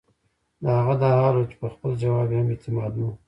د هغه دا حال وۀ چې پۀ خپل جواب ئې هم اعتماد نۀ وۀ